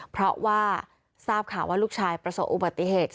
เพราะว่าทราบข่าวว่าลูกชายประสบอุบัติเหตุ